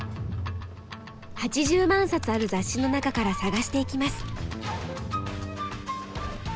８０万冊ある雑誌の中から探していきます。